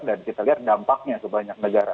dan kita lihat dampaknya kebanyak negara